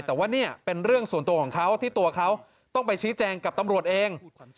แต่ว่าเนี่ยเป็นเรื่องส่วนตัวของเขาที่ตัวเขาต้องไปชี้แจงกับตำรวจเอง